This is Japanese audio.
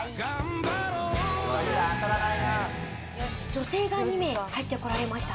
女性が２名、入ってこられました。